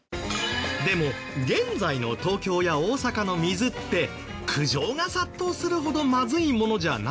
でも現在の東京や大阪の水って苦情が殺到するほどまずいものじゃないですよね。